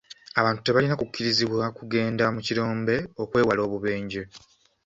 Abantu tebalina kukkirizibwa kugenda mu kirombe okwewala obubenje.